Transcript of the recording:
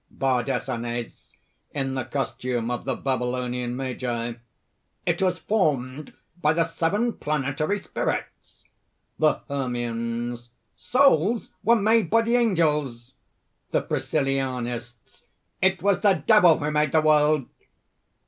BARDESANES (in the costume of the Babylonian magi). "It was formed by the Seven Planetary Spirits." THE HERMIANS. "Souls were made by the angels." THE PRISCILLIANISTS. "It was the Devil who made the world."